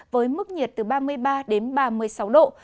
với mức nhiệt từ ba mươi ba đến ba mươi sáu độ